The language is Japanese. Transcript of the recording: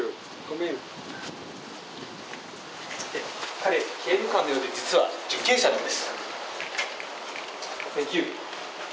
彼、刑務官のように見えて、実は受刑者なんです。